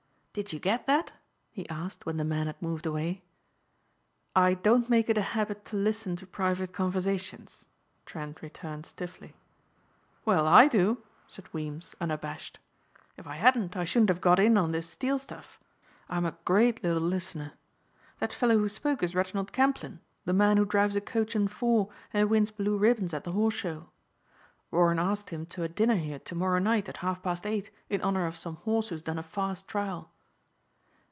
"Did you get that?" he asked when the man had moved away. "I don't make it a habit to listen to private conversations," Trent returned stiffly. "Well I do," said Weems unabashed. "If I hadn't I shouldn't have got in on this Steel stuff. I'm a great little listener. That fellow who spoke is Reginald Camplyn, the man who drives a coach and four and wins blue ribbons at the horse show. Warren asked him to a dinner here to morrow night at half past eight in honor of some horse who's done a fast trial."